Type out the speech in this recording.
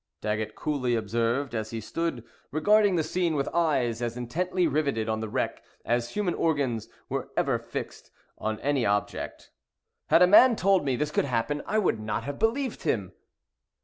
Daggett coolly observed, as he stood regarding the scene with eyes as intently riveted on the wreck as human organs were ever fixed on any object. "Had a man told me this could happen, I would not have believed him!"